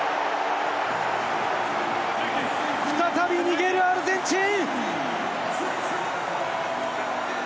再び逃げるアルゼンチン！